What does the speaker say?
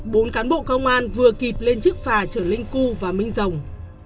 bốn cán bộ công an vừa kịp lên chiếc phả chở linh cưu và minh rồng